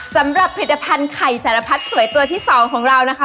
สำหรับผลิตภัณฑ์ไข่สารพัดสวยตัวที่๒ของเรานะคะ